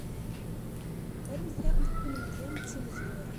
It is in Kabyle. Rremt-aɣ-d kennemti d timezwura.